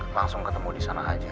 langsung ketemu disana aja